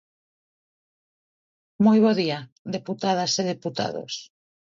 Moi bo día, deputadas e deputados.